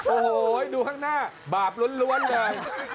โอ้โหดูข้างหน้าบาปล้วนเลย